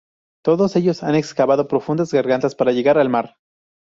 Todos ellos han excavado profundas gargantas para llegar al mar.